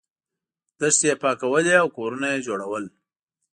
دښتې یې پاکولې او کورونه یې جوړول.